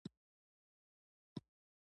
چارمغز د بدن داخلي زهرجن مواد پاکوي.